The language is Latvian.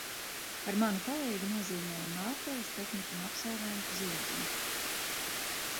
Par manu palīgu nozīmēja Mālpils tehnikumu absolventu Ziediņu.